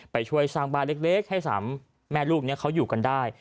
ไปช่วยสร้างบ้านเล็กให้๓แม่ลูกนี้เขาอยู่กันได้